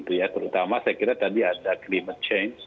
terutama saya kira tadi ada climate change